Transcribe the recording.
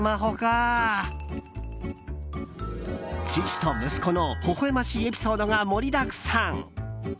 父と息子の、ほほ笑ましいエピソードが盛りだくさん。